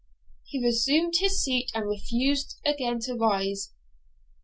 He resumed his seat and refused again to rise.